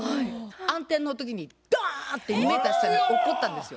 暗転の時にダーンって２メーター下に落っこったんですよ。